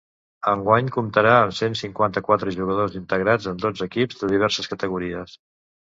Enguany comptarà amb cent cinquanta-quatre jugadors integrats en dotze equips de diverses categories.